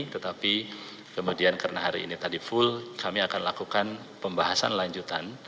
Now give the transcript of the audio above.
tetapi kemudian karena hari ini tadi full kami akan lakukan pembahasan lanjutan